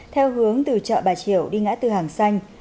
theo hướng từ chợ bà triều đi ngã từ hàng xanh